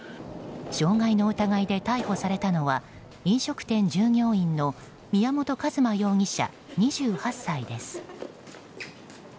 傷害の疑いで逮捕されたのは飲食店従業員の宮本一馬容疑者、２８歳です。